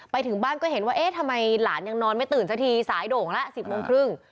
ไปถึงบ้านก็เห็นว่าเอ๊ะทำไมหลานยังนอนไม่ตื่นสักทีสายโด่งแล้ว๑๐โมงครึ่ง